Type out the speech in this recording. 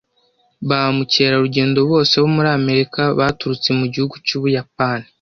ba mukerarugendo bose bo muri Amerika baturutse mu gihugu cy'Ubuyapani